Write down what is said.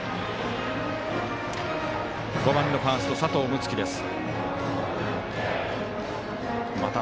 バッター５番のファースト、佐藤夢樹です。